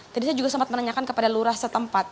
tadi saya juga sempat menanyakan kepada lurah setempat